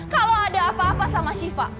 kalau ada apa apa sama syifa